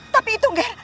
tapi itu ger